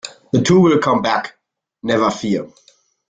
The two will come back, never fear.